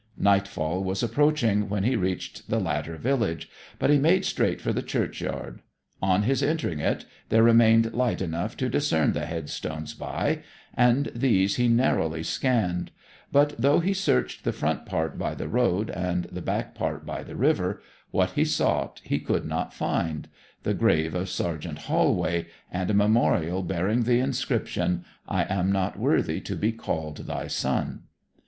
Nightfall was approaching when he reached the latter village; but he made straight for the churchyard. On his entering it there remained light enough to discern the headstones by, and these he narrowly scanned. But though he searched the front part by the road, and the back part by the river, what he sought he could not find the grave of Sergeant Holway, and a memorial bearing the inscription: 'I AM NOT WORTHY TO BE CALLED THY SON.'